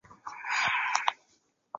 以动画师活动时使用织田广之名义。